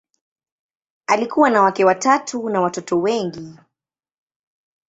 Alikuwa na wake watatu na watoto wengi.